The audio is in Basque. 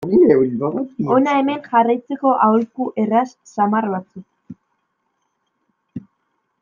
Hona hemen jarraitzeko aholku erraz samar batzuk.